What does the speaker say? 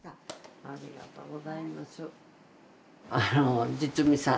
ありがとうございます。